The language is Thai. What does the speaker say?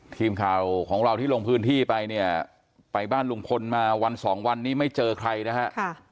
ทีมข่าวของเราที่ลงพื้นที่ไปเนี่ยไปบ้านลุงพลมาวันสองวันนี้ไม่เจอใครนะฮะ